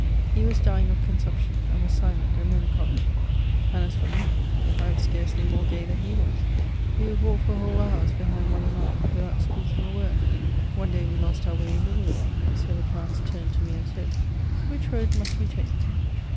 He was dying of consumption, and was silent and melancholy : and, as for me, I was scarcely more gay than he was. We would walk for whole hours behind one another without speaking a word. One day we lost our way in the wood. M. Leprince turned to me and said :*' Which road must we take?"